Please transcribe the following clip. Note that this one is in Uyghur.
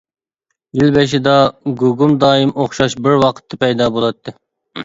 يىل بېشىدا، گۇگۇم دائىم ئوخشاش بىر ۋاقىتتا پەيدا بولاتتى.